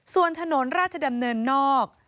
ส่วนถนนราชดำเนินนอก